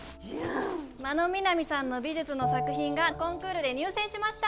真野みなみさんの美術の作品がコンクールで入選しました！